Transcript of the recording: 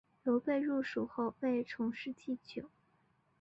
刘备入蜀后为从事祭酒。